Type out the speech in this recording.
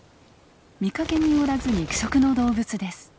見かけによらず肉食の動物です。